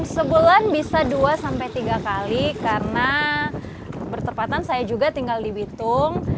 sebulan bisa dua tiga kali karena bertepatan saya juga tinggal di bitung